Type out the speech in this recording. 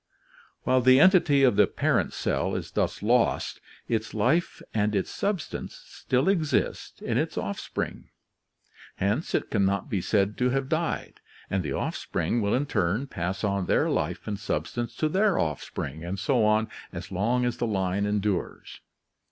While the entity of the parent cell is thus lost, its life and its substance still exist in its offspring, hence it can not be said to have died, and the offspring will in turn pass on their life and substance to their offspring and so on as long as the line endures.